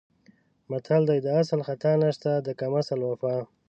متل دی: د اصل خطا نشته د کم اصل وفا.